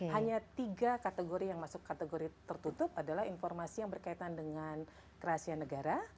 hanya tiga kategori yang masuk kategori tertutup adalah informasi yang berkaitan dengan rahasia negara